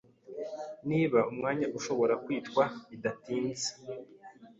niba umwanya ushobora kwitwa Bidatinze